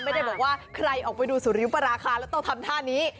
ไม่ได้บอกว่าใครออกไปดูสุริยุปราคาแล้วต้องทำท่านี้